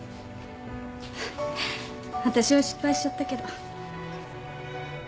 わたしは失敗しちゃったけど。